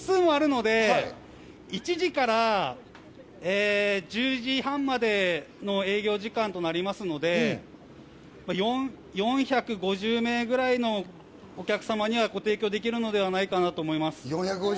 お店の席数もあるので１時から１０時半までの営業時間となりますので４５０名くらいのお客様にはご提供できるのではないかなと思います。